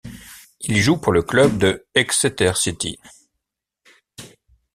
Il joue pour le club de Exeter City.